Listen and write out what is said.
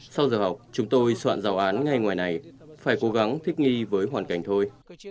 sau giờ học chúng tôi soạn giáo án ngay ngoài này phải cố gắng thích nghi với hoàn cảnh thôi